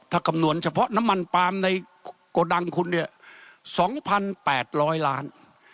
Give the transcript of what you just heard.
ถ้าคำนวณเฉพาะน้ำมันปาล์มในโกดังคุณเนี่ย๒๘๐๐ล้าน